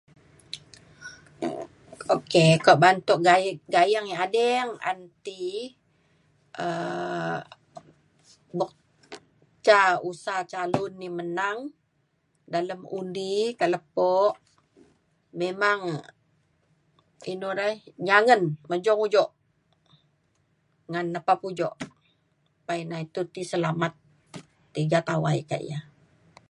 ok kuak ba’an tuk ga- gayeng yak ading an ti um buk ca usa calon ni menang dalem undi kak lepo memang inu rai nyangen mejung ujok ngan nepap ujok pa ina itu ti selamat tiga tawai kak ya